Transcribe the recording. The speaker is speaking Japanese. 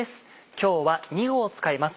今日は２合使います